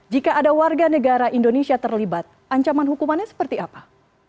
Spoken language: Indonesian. jika ada warga negara indonesia terlibat ancaman hukumannya seperti apa